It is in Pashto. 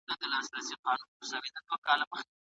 دا د دوو مسافرو تر منځ یوه نه هېرېدونکې او عجیبه خاطره وه.